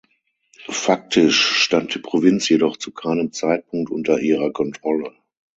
Faktisch stand die Provinz jedoch zu keinem Zeitpunkt unter ihrer Kontrolle.